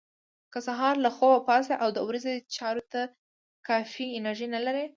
که سهار له خوبه پاڅئ او د ورځې چارو ته کافي انرژي نه لرئ.